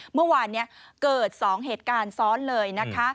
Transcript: เมื่อวานนี้เกิด๒เหตุการณ์ซ้อนเลยนะคะ